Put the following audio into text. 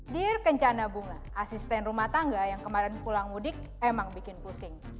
dear kencana bunga asisten rumah tangga yang kemarin pulang mudik emang bikin pusing